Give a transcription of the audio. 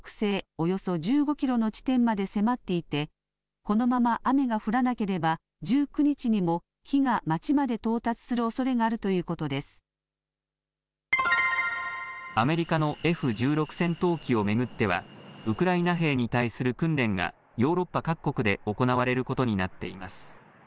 およそ１５キロの地点まで迫っていて、このまま雨が降らなければ、１９日にも火が町まで到達するおそれがあるとアメリカのＦ１６戦闘機を巡っては、ウクライナ兵に対する訓練が、ヨーロッパ各国で行われることになっています。